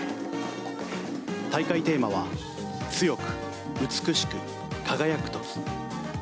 大会テーマは「強く、美しく、輝くとき。」。